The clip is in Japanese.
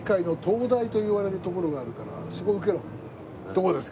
どこですか？